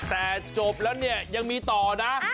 แต่จบแล้วเนี่ยยังมีต่อนะ